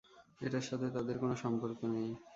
এটার সাথে তাদের কোনো সম্পর্ক নেই।